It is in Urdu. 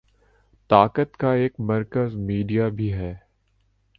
طاقت کا ایک مرکز میڈیا بھی ہے۔